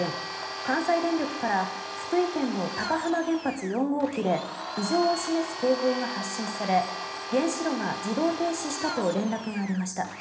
関西電力から福井県の高浜原発４号機で異常を示す警報が発信され原子炉が自動停止したと連絡がありました。